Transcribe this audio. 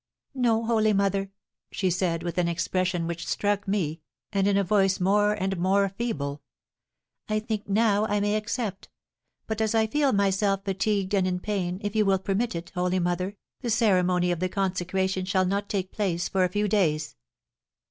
"No, holy mother," she said, with an expression which struck me, and in a voice more and more feeble, "I think now I may accept; but as I feel myself fatigued and in pain, if you will permit it, holy mother, the ceremony of the consecration shall not take place for a few days."